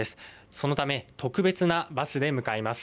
そのため特別なバスで向かいます。